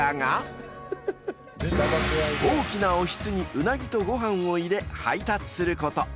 ［大きなおひつにうなぎとご飯を入れ配達すること］